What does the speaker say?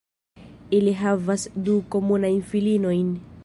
Ili havas du komunajn filinojn.